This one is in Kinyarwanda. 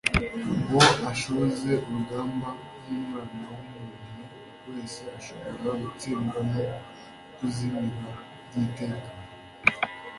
ngo ashoze urugamba nk'umwana w'umuntu wese, ashobora gutsindwa no kuzimira by'iteka .